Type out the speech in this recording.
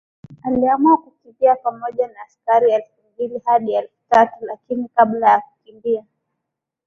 aliamua kukimbia pamoja na askari elfu mbili hadi elfu tatu lakini kabla ya kukimbia